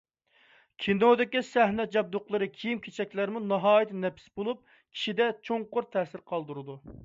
ﻛﯩﻨﻮﺩﯨﻜﻰ ﺳﻪﮪﻨﻪ ﺟﺎﺑﺪﯗﻗﻠﯩﺮى، ﻛﯩﻴﯩﻢ-ﻛﯧﭽﻪﻛﻠﻪﺭﻣﯘ ﻧﺎﮪﺎﻳﯩﺘﻰ ﻧﻪﭘﯩﺲ ﺑﻮﻟﯘﭖ، ﻛﯩﺸﯩﺪﻩ ﭼﻮﯕﻘﯘﺭ ﺗﻪﺳﯩﺮ ﻗﺎﻟﺪﯗﺭﯨﺪﯗ.